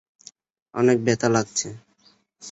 অনেক ব্যথা লাগছে।